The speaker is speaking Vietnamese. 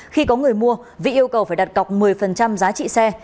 khi có người mua vĩ yêu cầu phải đặt cọc một mươi giá trị xe